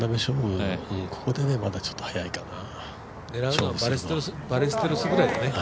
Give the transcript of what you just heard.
ここでまだちょっと早いかな。